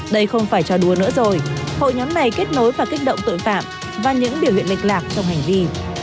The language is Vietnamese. đây không phải trả đùa nữa rồi hội nhóm này kết nối và kích động tội phạm và những biểu hiện lịch lạc trong hành vi